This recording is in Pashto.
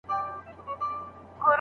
زوی کور ته بېرته راځي.